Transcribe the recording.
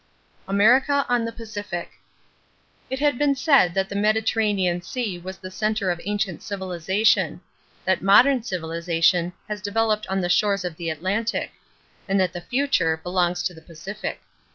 =America on the Pacific.= It has been said that the Mediterranean Sea was the center of ancient civilization; that modern civilization has developed on the shores of the Atlantic; and that the future belongs to the Pacific.